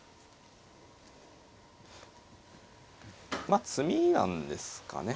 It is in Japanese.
まあ詰みなんですかね。